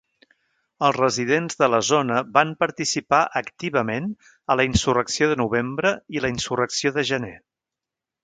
Els residents de la zona van participar activament a la Insurrecció de novembre i la Insurrecció de gener.